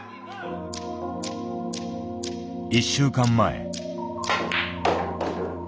１週間前。